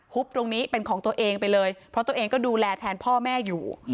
บตรงนี้เป็นของตัวเองไปเลยเพราะตัวเองก็ดูแลแทนพ่อแม่อยู่